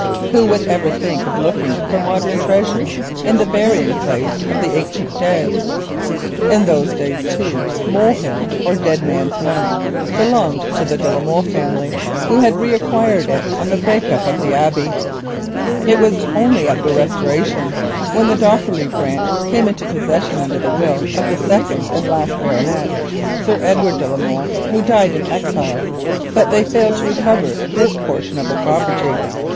Who would ever think of looking for modern treasure in the burying place of the ancient dead? In those days, too, Molehill, or Dead Man's Mount, belonged to the de la Molle family, who had re acquired it on the break up of the Abbey. It was only at the Restoration, when the Dofferleigh branch came into possession under the will of the second and last baronet, Edward de la Molle, who died in exile, that they failed to recover this portion of the property.